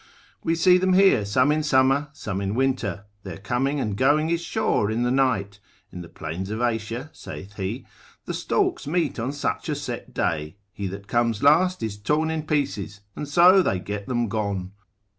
We see them here, some in summer, some in winter; their coming and going is sure in the night: in the plains of Asia (saith he) the storks meet on such a set day, he that comes last is torn in pieces, and so they get them gone.